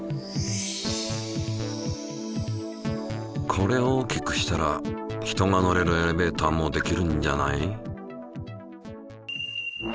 これを大きくしたら人が乗れるエレベーターもできるんじゃない？